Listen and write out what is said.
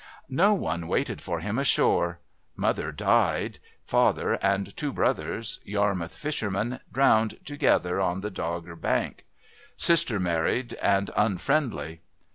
"No one waited for him ashore. Mother died; father and two brothers, Yarmouth fishermen, drowned together on the Dogger Bank; sister married and unfriendly.